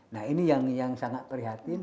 nah ini yang sangat prihatin